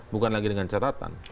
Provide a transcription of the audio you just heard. bukan lagi dengan catatan